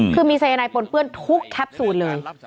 คือมีสายนายปนเปื้อนทุกแคปซูลเลย